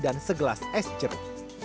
dan segelas es jeruk